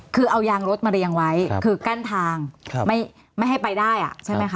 คือเอายางรถมาเรียงไว้คือกั้นทางไม่ให้ไปได้อ่ะใช่ไหมคะ